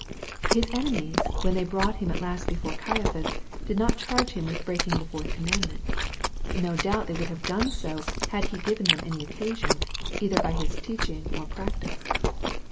His enemies, when they brought Him at last before Caiaphas, did not charge Him with breaking the fourth commandment. No doubt they would have done so had he given them occasion, either by His teaching or practice.